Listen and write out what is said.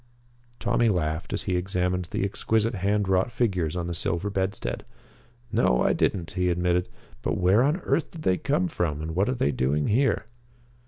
Tommy laughed at he examined the exquisite hand wrought figures on the silver bedstead. "No, I didn't," he admitted; "but where on earth did they come from, and what are they doing here?"